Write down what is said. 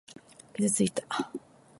傷ついた。